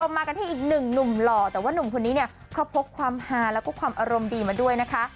มากันที่อีกหนึ่งหนุ่มหล่อแต่ว่าหนุ่มคนนี้เนี่ยเขาพกความฮาแล้วก็ความอารมณ์ดีมาด้วยนะคะ